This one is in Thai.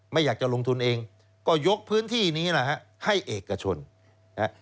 ไม่อยากจะลงทุนเองก็ยกพื้นที่นี้นะฮะให้เอกชนนะฮะ